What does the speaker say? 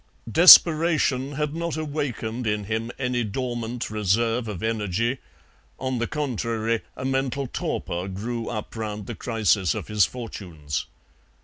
Desperation had not awakened in him any dormant reserve of energy; on the contrary, a mental torpor grew up round the crisis of his fortunes.